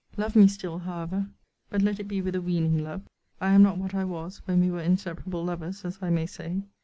Love me still, however. But let it be with a weaning love. I am not what I was, when we were inseparable lovers, as I may say.